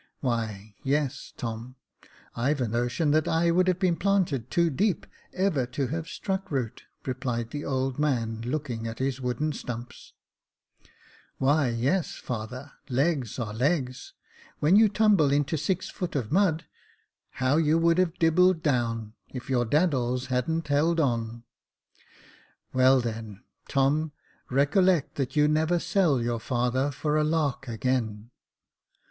" Why, yes, Tom. I've a notion that I should have been planted too deep, ever to have struck root," replied the old man, looking at his wooden stumps. Jacob Faithful 155 "Why yes, father, legs are legs, when you tumble into six foot of mud. How you would have dibbled down, if your daddies hadn't held on." "Well then, Tom, recollect that you never sell your father for a lark again."